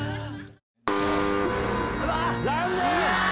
残念！